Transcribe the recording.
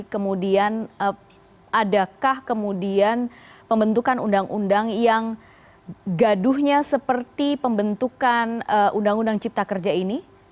kemudian adakah kemudian pembentukan undang undang yang gaduhnya seperti pembentukan undang undang cipta kerja ini